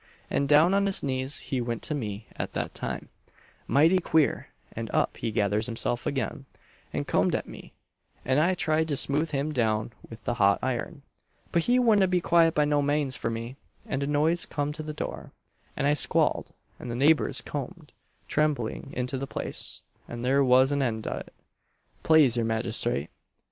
and down on his knees he went to me at that time, mighty queer; and up he gathers himself again, and comed at me; and I tried to smooth him down with the hot iron, but he wouldn't be quiet by no manes for me; and a noise comed to the door, and I squaled, and the neighbours comed trembling into the place, and there was an end on't plase your magistrate."